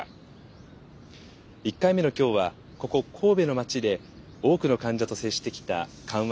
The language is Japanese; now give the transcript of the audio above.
１回目の今日はここ神戸の街で多くの患者と接してきた緩和